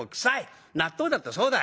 納豆だってそうだ。